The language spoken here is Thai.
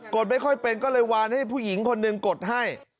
ดไม่ค่อยเป็นก็เลยวานให้ผู้หญิงคนหนึ่งกดให้